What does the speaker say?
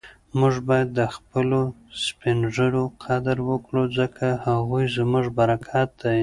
موږ باید د خپلو سپین ږیرو قدر وکړو ځکه هغوی زموږ برکت دی.